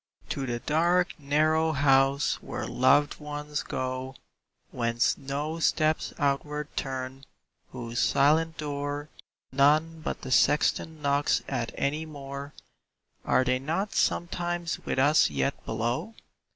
To the dark, narrow house where loved ones go, Whence no steps outward turn, whose silent door None but the sexton knocks at any more, Are they not sometimes with us yet below?